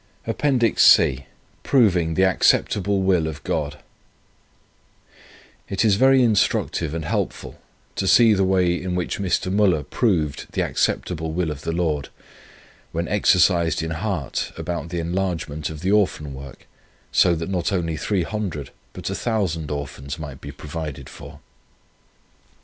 APPENDIX C PROVING THE ACCEPTABLE WILL OF GOD It is very instructive and helpful to see the way in which Mr. Müller proved the acceptable will of the Lord, when exercised in heart about the enlargement of the Orphan work, so that not only 300 but 1000 Orphans might be provided for.